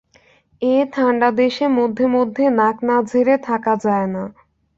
এ ঠাণ্ডা দেশে মধ্যে মধ্যে নাক না ঝেড়ে থাকা যায় না।